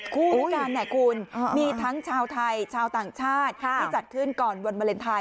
คู่กันคุณมีทั้งชาวไทยชาวต่างชาติที่จัดขึ้นก่อนวันวาเลนไทย